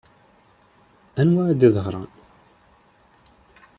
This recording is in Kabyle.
Anwa i d-iheḍṛen?